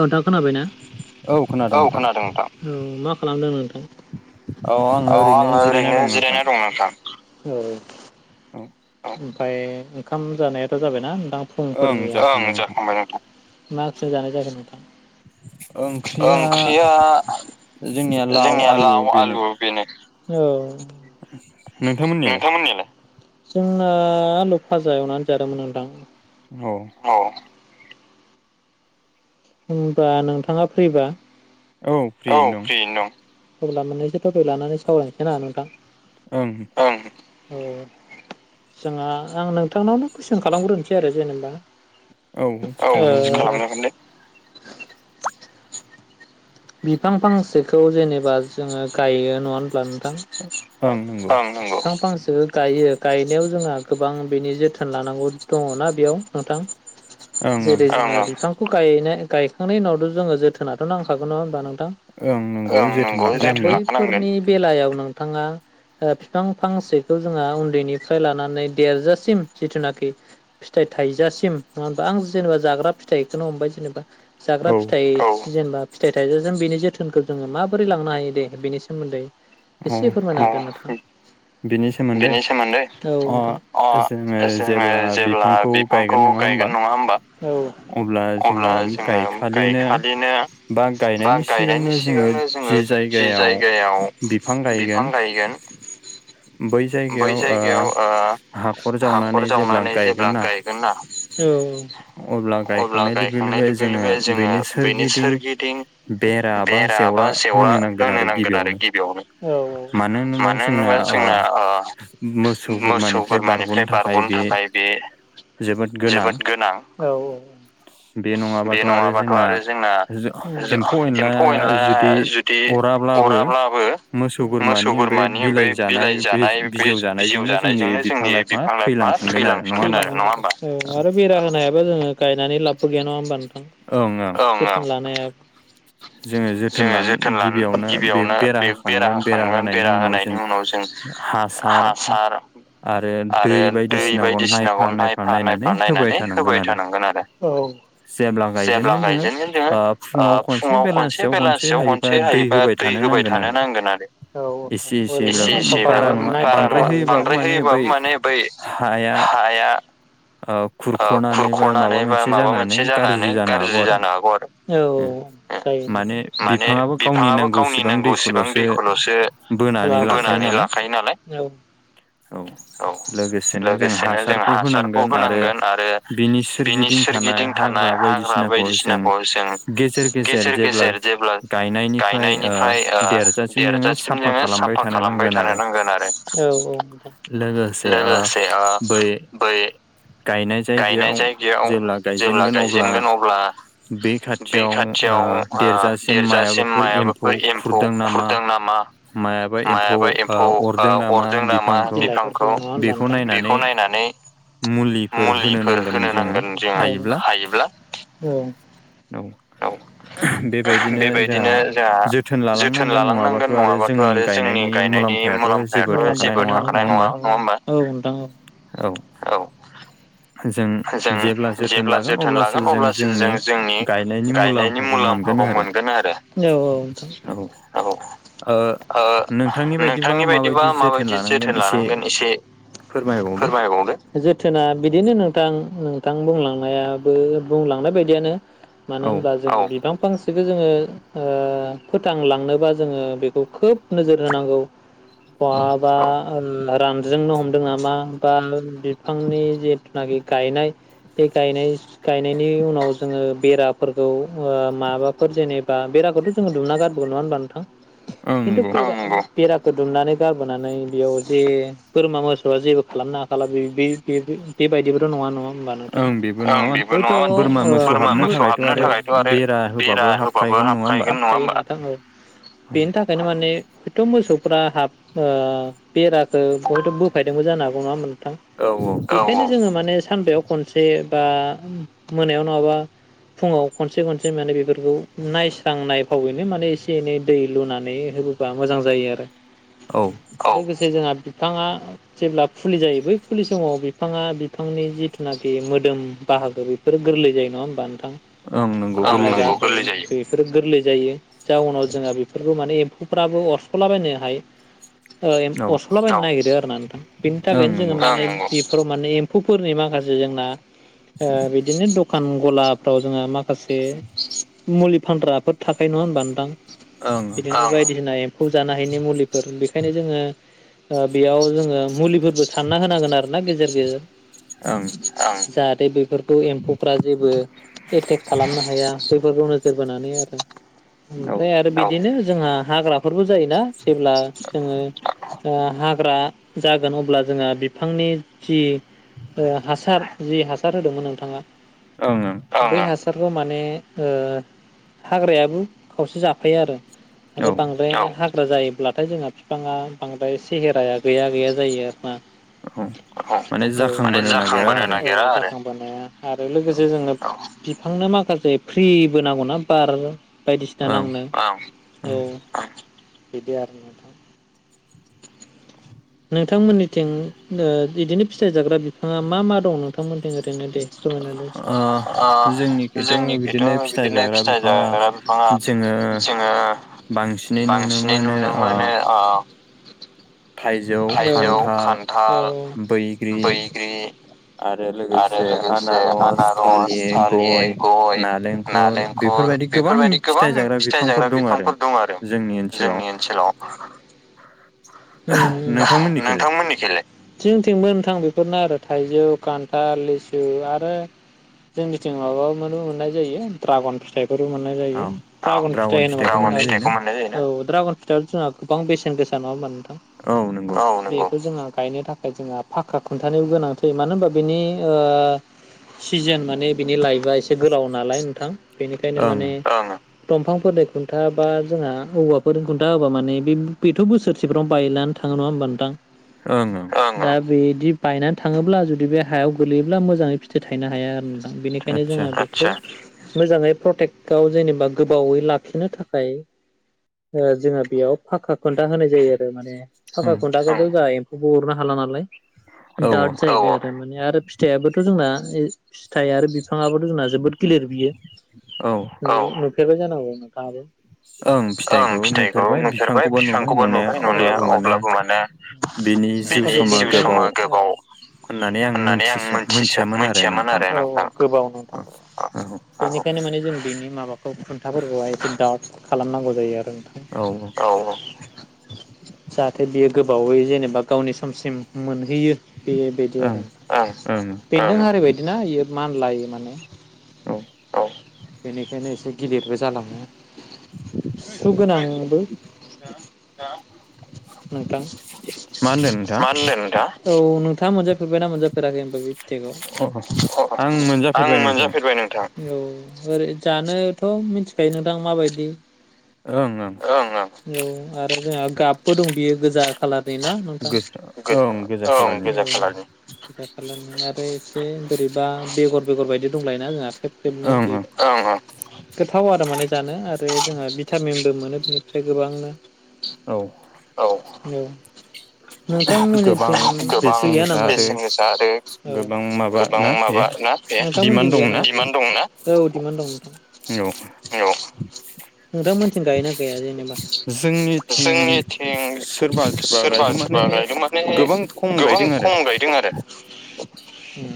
नोंथां खोनाबायना औ खोनादों नोंथां औ मा खालामदों नोंथां? औ आङो ओरैनो जिरायना दं नोंथां। औ ओमफ्राय ओंखाम जानायाथ' जाबायना नोंथां फुंफोरनिया ओं जाखांबाय नोंथां जों जानाय जागोन नोंथां ओंख्रिया जोंनिया लाव आलु बेनो नोंथांमोननियालाय जोंनाल' भाजा एवनानै जादोंमोन नोंथां औ औ होनबा नोंथाङा फैबा औ फ्रिनो दं। थपिक लानानै मोननानैसो थबे लानानै सावरायनोसै नाङा नोंथां। ओं औ जोंहा आं नोंथांनावनो कुइसन खालामग्रोनोसै आरो जेनेबा औ खालाम बिफां फांसेखौ जेनेबा जोङो गायो नङा होनब्ला नोंथां? बिफां फांसेखौ गायो गायनायाव जोंहा गोबां बिनि जोथोन लानांगौ दङना बेयाव नोंथां जेरै जों बिफांखौ गाय गायखांनायनि उनावथ' जोङो जोथोनाथ' नां गोन नङा होनबा नोंथां दा बैफोरनि बेलायाव नोंथाङा बिफां फांसेखौ जोंहा उन्दैनिफ्राय लानानै देरजासिम जिथुनाखि फिथाइ थाइजासिम नङा होमबा आं जेनेबा जाग्रा फिथाइखौनो हमबाय जेनेबा जाग्रा फिथाइ जेनेबा फिथाइ थाइजाजों बिनि जोथोनखौ जोङो माबोरै लांनो हायो दे बेनि सोमोन्दै एसे फोरमायना बिनि सोमोन्दै अ जोङो जेब्ला बिफांखौ गायगोन नङा होमबा अब्ला जोङो गायखालिनो बा गायनायनि सिगांनो जोङो जि जायगायाव बिफां गायगोन बै जायगायाव हाखर जावनानै जेब्ला गायगोन ना अब्ला गायखांनाय लोगो लोगो जोङो बेनि सोरगिदिं बेरा बा जेवरा होनो नांगोन आरो गिबियावनो मानो होनोबा जोंना मोसौ बोरमानिफ्राय बारग'नो थाखाय बे जोबोद गोनां‌। औ औ बे नङाबाथ' आरो जोंना एम्फौ एनला जुद दि अराब्लाबो मोसौ बोरमानि ओमफ्राय बिलाइ जानाय बे बिजौ जानायजोंनो जोंनि बिफां लाइफाङा थैलांफिनगोन आरो नङा होमबा बेरा होनायाबो जोङो गायनानै लाबो गैया नङा होमबा नोंथां जोथोन लानो हायाबा जोङो जोथोन लानो गिबियावनो बे बेरा होखागोन बेरा होनायनि उनाव जों हासार आरो दै बायदिसिनाखौ नायफा नायफा नायनानै होबाय थानांगोन आरो जेब्ला गायजेन जोङो फुङाव खनसे बेलासियाव खनसे हायोबा दै होबाय थानो नांगोन आरो औ औ [unintelligible] बारा बांद्राय होयोबाबो माने बै हाया खुरखनानै बा माबा मोनसे जानानै गाज्रि जाना औ माने बिफाङाबो गावनि नांगौसेबां दैखौलसो बोनानै लाखायो नालाय औ लोगोसेनो जों हासारखौ होनांगोन आरो बिनि सोरगिदिं थानाय हाग्रा बायदिसिनाखौ जों गेजेर गेजेर जेब्ला गायनायनिफ्राय देरजासिम जोङो साफा खालामबाय थानो नांगोन आरो लोगोसे बै गायनाय जायगायाव जेब्ला गायजेनगोन अब्ला बे खाथि खाथियाव देरजासिम मायबाफोर एम्फौ खुरदों नामा मायाबा एम्फौ अरदों नामा बिफांखौ बेखौ नायनानै मुलिफोर होनो नांगोन जोङो हायोब्ला औ औ बेबायदिनो जोंहा जोथोन लालांनांगोन नङाबाथ आरो जोंनि गायनायनि मुलाम्फायाथ जेबो थाखानाय नङा नङा होमबा औ जों जेब्ला जोथोन लागोन अब्लासो जों जोंनि गायनायनि मुलाम्फाखौ मोनगोन आरो औ औ नोंथां औ ओ नोंथांनि बायदिबा माबायदि जोथोन लानांगोन एसे फोरमायबावदो जोथोना बिदिनो नोंथां नोंथां बुंलांनायाबो बुंलांनाय बायदियानो मानो होनबा जों बिफां फांसेखौ जोङो फोथांलांनोबा जोङो बेखौ खोब नोजोर होनांगौ बहाबा रानज्रिंनो हमदों नामा बा बिफांनि जिहेथु नाखि गायनाय बे गायनाय गायनायनि उनाव जोङो बेराफोरखौ माबाफोर जेनेबा बेराखौथ जों दुमना गारबोगोन नङा होमबा नोंथां किनथु बेराखौ बेराखौ दुमनानै गारबोनानै बेयाव जे बोरमा मोसौआ जेबो खालामनो हाला बे बे बै बेबायदिबोथ नङा नङा होमबा नोंथां बेबो नङामोन बोरमा मोसौ हाबनो थाखायथ आरो बेरा हाबखागोन नङा होनबा बेनि थाखायनो माने हयथ मोसौफोरा हाब बेराखौ बहायथ बोफायदोंबो जानो हागौ नङा होनबा नोंथां औ औ जोङो माने सानफायाव खनसे बा मोनायाव नङाबा फुङाव खनसे खनसे माने बेफोरखौ नायस्रांनाय फावैनो माने एसे एनै दै लुनानै होबो बा मोजां जायो आरो औ लोगोसे जोंहा बिफाङा जेब्ला फुलि जायो बै फुलि समाव बिफाङा नोंथांनि जिथुनाखि मोदोम बाहागो बेफोर गोरलै जायो नङा होमबा नोंथां? आ म गलि जायो। बेफोरो गोरलै जायो जा उनाव जोंहा बेफोरबो माने एम्फौफ्राबो अरस'लाबायनो हाय अरस'लाबायनो नागिरो आरो ना नोंथां बेनि थाखायनो जोङो माने बेफोराव माने एम्फुफोरनि माखासे जोंना बिदिनो दखान गलाफ्राव जोङो मा माखासे मुलि फानग्राफोर थाखाय नङा होनबा नोंथां बिदिनो बायदिसिना खौ जानो हायनि मुलिफोर बेखायनो जोङो बेयाव जोङो मुलिफोरबो सानना होनांगोन आरो ना गेजेर गेजेर ओं। जाहाथे बेफोर ए एम्फौफ्रा जेबो एटेक खालामनो हाया बेफोरखौ नोजोर बोनानै आरो ओमफ्राय आरो बिदिनो जोंहा हाग्रा न'खरबो जायोना जेब्ला जोङो हाग्रा जागोन अब्ला जोंहा बिफांनि जि हासार जि हासार होदोंमोन नोंथाङा ओं ओं। बे हासारखौ माने हाग्रायाबो खावसे जाफायो आरो आरो बांद्राय ब्रा जायोब्लाथाय जोंहा बिफाङा बांद्राय सेहेराया गैया गैया जायो आरो ना। औ माने जा माने जाखांबोनो नागिरा जाखांबोनाया आरो लोगोसे जोंङो बिफांनो माखासे फ्रिबो नांगौना बार बायदिसिना नांनो औ बिदि आरो नोंथांमोननिथिं बिदिनो फिथाइ जाग्रा बिफाङा मा मा दं? मोनदों जादोंना दे खाय जोंनिखिथ' बिदिनो फिथा जाग्रा ाङा जोङो बांसिनै नुनो मोनो। थाइजौ खान्थाल बैग्रि आरो लोगोसे आनारस, थालिर, गय, नालेंखर बेफोरबायदि गोबां फिथाइ जाग्रा बिफांफोर दं आरो जोंनि ओनसोलाव अ नोंथांमोननिखलाय? थिं थिंमोनोंथां बेफोरनो आरो थाइजौ खान्थाल लिसु आरो जोंनिथिं माबा मोननाय जायो ड्रागन फिथाइ मोननाय जायो द्रागन फिथाइ होनोबा औ द्रागन जोंहा गोबां बेसेन गोसा नङा होम नोंथां बेखौ जोंना गायनो थाखाय जोंहा फाख्रा खोनन्थानोबो गोनां जायो मानो होनबा बेनि सिजोन माने बिनि लाइफआ एसे गोलाव नालाय नोंथां बेनिखायनो माने दंफांफोरनि खुन्था बा जोंहा औवाफोरजों खुन्था होबा माने बे बेथ' बोसोरसे बेफ्राव बायनानै थाङो नङा होमबा नोंथां? ओं। दा बेदि बायनानै थाङोब्ला जुदि बे हायाव गोलैयोब्ला मोजाङै फिथो थायनो हाया आरो। बेनिखायनो जोङो खाथिया मोजाङै प्रटेक्टआव जेनेबा गोबावै लाखिनो थाखाय जोंहा बेयाव फाखा खुथा होन माने फाखा खुन्थाखौ ज एम्फौबो अरनो हाला नालाय दार जायो। थारमाने आरो फिथाइयआोथ' जोंना फिथाइ आरो बिफाङाबोथ' जोंना जोबोद गिलिर बियो औ। औ नुफेरबाय जानांगौ नोंथाङाबो ओं फिथाइखौ नुफेरबाय बिफांखौबो नु नुनाया अब्लाबो माने बिनि जिउ समा गोबाव होननानै आं मिथिसो मिथियामोन आरो नोंथां। बेनिखायनो माने जों बिनि माबाखौ खुन्थाफोरखौहाय एसे दाथ खालामनांगौ जायो आरो। औ औ। औ औ जाहाथे बेयो गोबावै जेनेबा गावनि समसिम मोनहैयो। बेयो बेदि आरो। बेन्दों आरि बायदिना बेयो मानलायो माने। औ बेनिखायनो एसे गिलिरबो जालाङो। सु गोनांबो नोंथां माहोन्दों नोंथाङा? औ नोंथाङा मोनजाफेरबायना मोनजाफेराखै? बोग्रि फिथाइखौ आं मोनजाफेरबाय नोंथां। औ ओरै जानोथ' मिनथिखायो नोंथां माबायदि। ओं ओं। औ आरो जोंहा गाबबो दं बियो गोजा खालारनि ना नोंथां? गो ओं गोजा खालारनि। गोजा खालारनि आरो से बोरैबा बेगर बेगर बायदि दंलायो ना जोंहा जोबनो बि ओं ओं। गोथाव आरो माने जानो आरो जोंहा भिटामिनबो मोनो बि फ्राय गोबांनो। औ। औ उम। [inaudible] नोंथां मोनिथिं गोबां गैया नामा बेसेन गोसा आरो गोबां माबा ना ए नोंथांमोनथिं गैया नामा? दिमान दं ना? औ दिमान दं नोंथां। औ। नोंथां मोनथिं गायो ना गाया जेनेबा? जोंनिथिं सोरबा सोरबा गायगो माने गोबां खम गायदों आरो। उम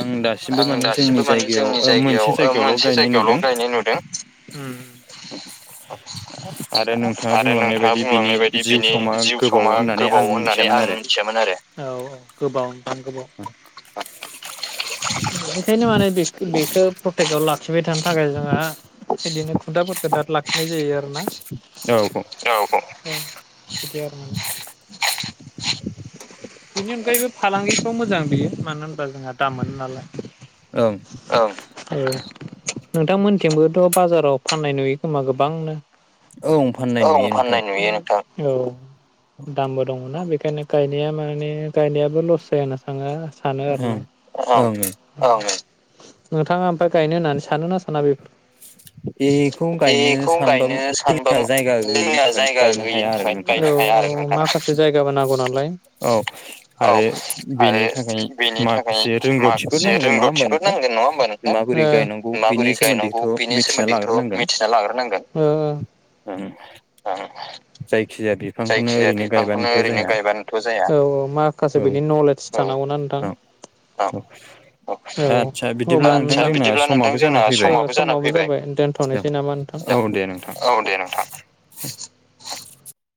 आं दा सिमबो माने जोंनि जायगायाव ओ मोनसे जायगायावल' गायनाय नुदों। [inaudible] आरो नोंथाङा बुंलांनाय बायदि बिनि जिउ समा गोबाव होननानै आं मिनथियामोन आरो। मोन आरो औ औ गोबाव इमान गोबाव बेखायनो माने बेस बेखो प्रटेकआव ला खिबाय थानो थाखाय जोंहा इदिनो खुदाफोरखो दाद लाखिनाय जायो आरोना। औ बाव। उम बिदि आरो माने। बिनि अनगायैबो फालांगिफ्राव मोजां बियो मानो होनबा जोंहा दाम मोन ना [unintelligible] ओं ओ नोंथांमोनथिंबोथ' बाजाराव फाननाय नुयो खोमा गोबांनो? ओं फाननाय नुयो नोंथां। औ। दामबो दङना बेखायनो गायनाया माने गायनायाबो लसन जायाना थाङा। सानो आरो ना। [unintelligible] ओं नोंथाङा ओमफाय गायनो होननानै सानो ना साना बेफोरखौ? बेखौ गायनो सानबा लेया जायगा गैयिनि थाखायनो। गायनो हाया औ औ माखासे जायगाबो नांगौ नालाय। औ आरो बिनि थाखाय माख से रोंगौथिफोर नांगोन। नङा होमबा नोंथां? माबोरै गायनांगौ बि थ मिथिना लाग्रोनांगोन उम उम ओं। जायखि जाया बि जायखिजाया बिफांखौनो ओरैनो गायबानोथ' जाया औ औ। माखासे बिनि नलेज थानांगौना नोंथां? अ औ हबा नोंथां आतसा बिदिब्ला नोंथां जोंना समाबो जाना फैबाय। दोनथ'नोसै नामा औ दे नोंथां